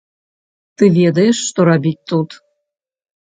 Ты ведаеш, што рабіць тут.